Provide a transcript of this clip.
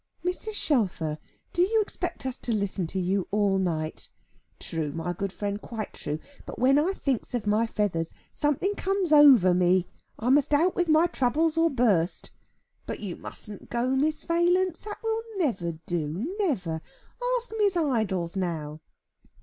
"Mrs. Shelfer, do you expect us to listen to you all night?" "True, my good friend, quite true. But when I thinks of my feathers, something comes over me, I must out with my troubles, or burst. But you musn't go, Miss Valence. That will never do, never; ask Miss Idols now."